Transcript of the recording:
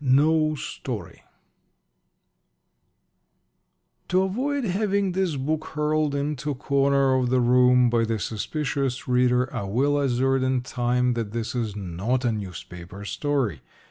NO STORY To avoid having this book hurled into corner of the room by the suspicious reader, I will assert in time that this is not a newspaper story.